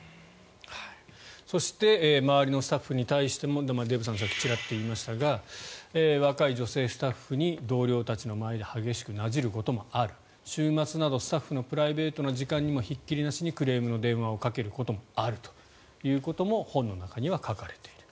そして周りのスタッフに対してもデーブさんもちらっとさっき言いましたが若いスタッフに同僚たちの前で激しくなじることもある週末などスタッフのプライベートの時間にもひっきりなしにクレームの電話をかけることもあったと本の中には書かれている。